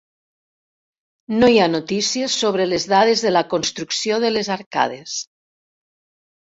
No hi ha notícies sobre les dades de la construcció de les arcades.